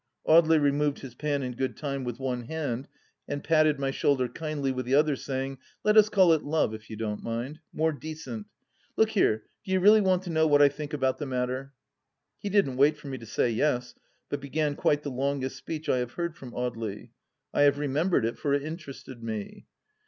Audely removed his pan in good time with one hand, and patted my shoulder kindly with the other, saying, " Let us call it Love, if you don't mind. More decent. Look here, do you really want to know what I think about the matter ?" He didn't wait for me to say yes, but began quite the longest speech I have heard from Audely. I have remem bered it, for it interested me.